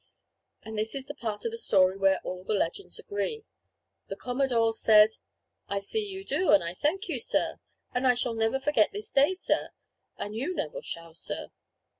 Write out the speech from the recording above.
And this is the part of the story where all the legends agree; the commodore said: "I see you do, and I thank you, sir; and I shall never forget this day, sir, and you never shall, sir."